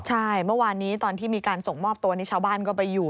การที่มีการส่งมอบตัวนี้ชาวบ้านก็ไปอยู่